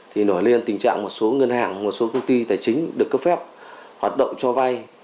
thì nổi lên tình trạng một số ngân hàng một số công ty tài chính được cấp phép hoạt động cho vay